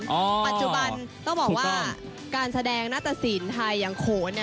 ปัจจุบันต้องบอกว่าการแสดงหน้าตะสินไทยอย่างโขน